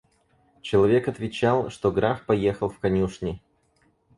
Человек отвечал, что граф поехал в конюшни.